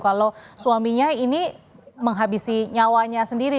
kalau suaminya ini menghabisi nyawanya sendiri